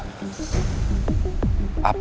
tidak ada apa apa